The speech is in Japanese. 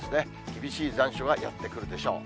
厳しい残暑がやって来るでしょう。